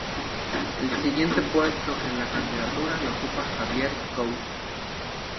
El siguiente puesto en la candidatura lo ocupa Javier Couso.